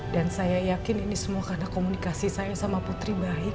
dan saya yakin ini semua karena komunikasi saya sama putri baik